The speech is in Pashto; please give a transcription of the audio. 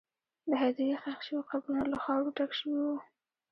د هدیرې ښخ شوي قبرونه له خاورو ډک شوي وو.